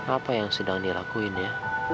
apa yang sedang dilakuinnya